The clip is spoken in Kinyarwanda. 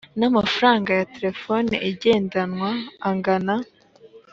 n amafaranga ya telefone igendanwa angana